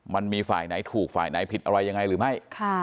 มันมีฝ่ายไหนถูกฝ่ายไหนผิดอะไรยังไงหรือไม่